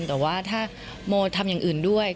แต่ว่าถ้าโมทำอย่างอื่นด้วย